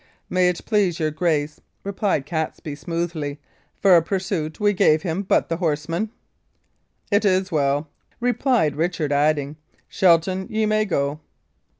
"May it please your grace," replied Catesby, smoothly, "for a pursuit we gave him but the horsemen." "It is well," replied Richard, adding, "Shelton, ye may go."